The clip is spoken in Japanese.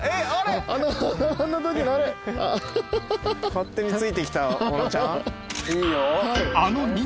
勝手についてきた尾野ちゃん。